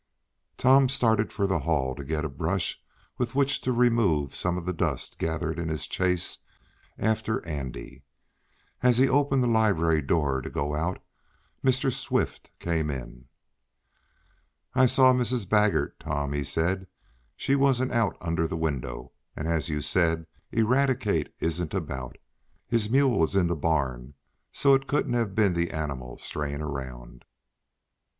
Tom started for the hall, to get a brush with which to remove some of the dust gathered in his chase after Andy. As he opened the library door to go out Mr. Swift came in again. "I saw Mrs. Baggert, Tom," he said. "She wasn't out under the window, and, as you said, Eradicate isn't about. His mule is in the barn, so it couldn't have been the animal straying around."